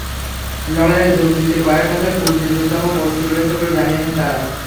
লড়াইয়ে যোগ দিতে কয়েক হাজার কুর্দি যোদ্ধাও প্রস্তুত রয়েছে বলে জানিয়েছে তারা।